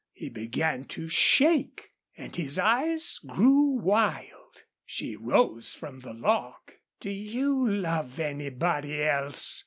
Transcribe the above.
He began to shake, and his eyes grew wild. She rose from the log. "Do you love anybody else?"